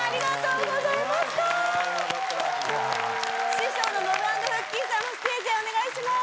師匠のノブ＆フッキーさんステージへお願いします。